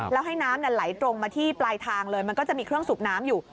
แล้วให้น้ำไหลตรงมาที่ปลายทางเลยมันก็จะมีเครื่องสูบน้ำอยู่